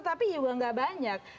tapi juga tidak banyak